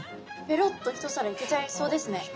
ペロッと一皿いけちゃいそうですね。